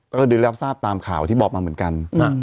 ก็ได้รับทราบตามข่าวที่บอกมาเหมือนกัน